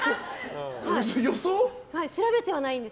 予想？